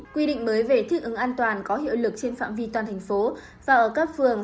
quy định mới về thích ứng an toàn có hiệu lực trên phạm vi toàn thành phố và ở các phường